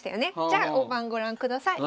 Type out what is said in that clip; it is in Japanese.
じゃあ大盤ご覧ください。